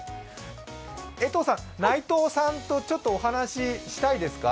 江藤さん、内藤さんとちょっとお話ししたいですか？